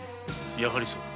やはりそうか。